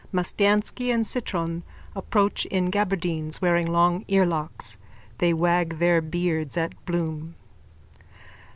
Mastiansky and Citron approach in gaberdines, wearing long earlocks. They wag their beards at Bloom.)